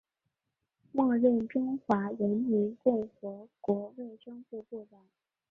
末任中华人民共和国卫生部部长。